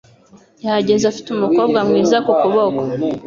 Yahageze afite umukobwa mwiza ku kuboko.